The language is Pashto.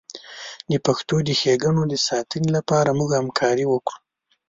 د پښتو د ښیګڼو د ساتنې لپاره موږ همکاري وکړو.